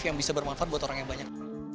yang bisa bermanfaat buat orang yang banyak